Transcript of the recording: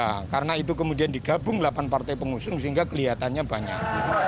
ada lima sepuluh orang karena itu kemudian digabung delapan partai pengusung sehingga kelihatannya banyak